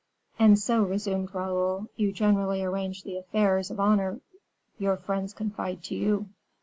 "And so," resumed Raoul, "you generally arrange the affairs of honor your friends confide to you."